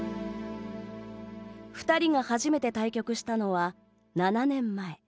二人が初めて対局したのは７年前。